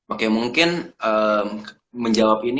oke mungkin menjawab ini